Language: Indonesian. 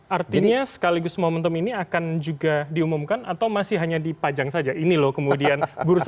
artinya sekaligus momentum ini akan menjadi spirit dari pemimpin indonesia periode lima tahun ke depan kita tahu ada gagasan trisakti ada nawacita dan seterusnya